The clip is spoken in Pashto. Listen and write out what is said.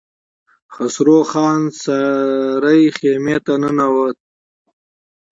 خسرو خان سرې خيمې ته ننوت.